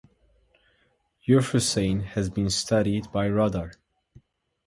Euphrosyne has been studied by radar.